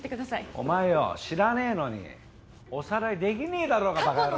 お前よぉ知らねえのにおさらいできねえだろうが馬鹿野郎。